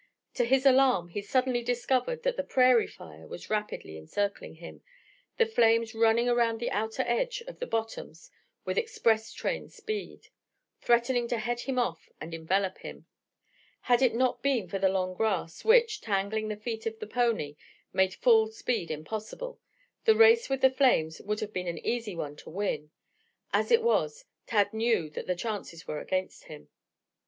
To his alarm he suddenly discovered that the prairie fire was rapidly encircling him, the flames running around the outer edge of the bottoms with express train speed, threatening to head him off and envelop him. Had it not been for the long grass, which, tangling the feet of the pony, made full speed impossible, the race with the flames would have been an easy one to win. As it was, Tad knew that the chances were against him.